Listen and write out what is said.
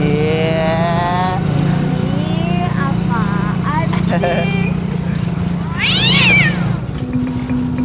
ini apaan sih